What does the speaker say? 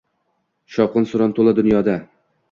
Shovqin-suron toʼla dunyoda